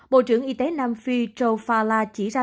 bộ trưởng y tế nam phi joe fala chỉ ra